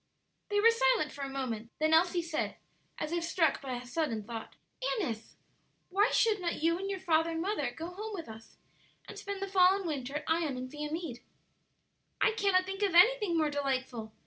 They were silent for a moment; then Elsie said, as if struck by a sudden thought, "Annis, why should not you and your father and mother go home with us and spend the fall and winter at Ion and Viamede?" "I cannot think of anything more delightful!"